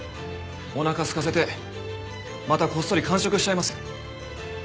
おなかすかせてまたこっそり間食しちゃいますよ。